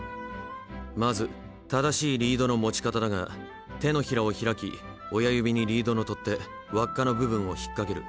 まず正しいリードの持ち方だが手のひらを開き親指にリードの取っ手輪っかの部分を引っ掛ける。